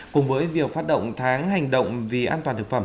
cùng với việc phát động tháng hành động vì an toàn thực phẩm